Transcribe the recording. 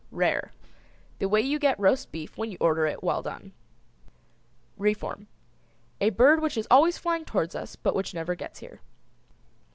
RARE. The way you get roast beef when you order it well done. REFORM. A bird which is always flying towards us but which never gets here.